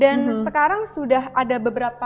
dan sekarang sudah ada beberapa